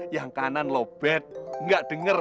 yang kanan lobet gak denger